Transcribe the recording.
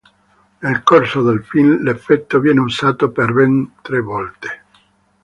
Nel corso del film l'effetto viene usato per ben tre volte.